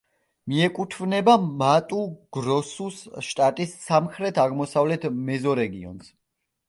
მიეკუთვნება მატუ-გროსუს შტატის სამხრეთ-აღმოსავლეთ მეზორეგიონს.